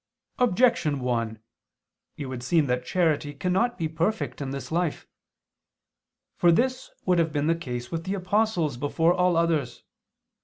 Objection 1: It would seem that charity cannot be perfect in this life. For this would have been the case with the apostles before all others.